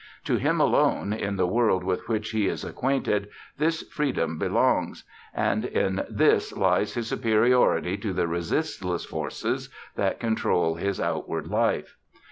To him alone, in the world with which he is acquainted, this freedom belongs; and in this lies his superiority to the resistless forces that control his outward life.